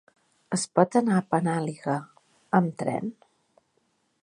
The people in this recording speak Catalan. Es pot anar a Penàguila amb tren?